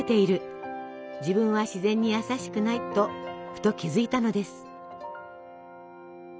自分は自然に優しくないとふと気付いたのです。